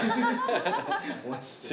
お待ちしてます。